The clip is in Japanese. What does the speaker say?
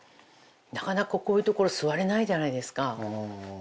なかなかこういう所座れないじゃないですか。